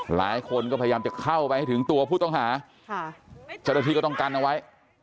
หลายคนก็พยายามจะเข้าไปถึงตัวผู้ต้องหาจรธิก็ต้องกันเอาไว้